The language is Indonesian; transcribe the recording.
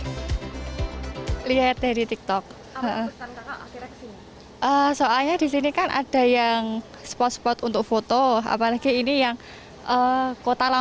menurut para usatawan ini adalah satu dari beberapa film terkenal di indonesia